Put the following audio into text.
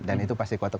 dan itu pasti kuat